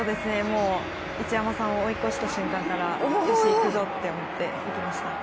一山さんを追い越した瞬間からよし行くぞって行きました。